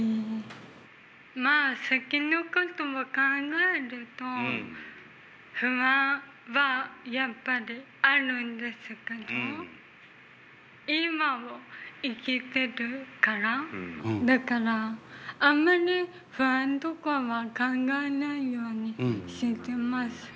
まあ先のことを考えると不安はやっぱりあるんですけど今を生きてるからだからあんまり不安とかは考えないようにしてます。